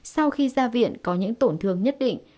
sau khi ra viện có những tổn thương nhất định